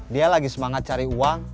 dia lagi semangat cari uang